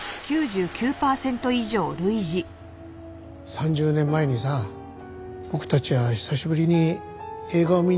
３０年前にさ僕たちは久しぶりに映画を見に行く約束をしたよね。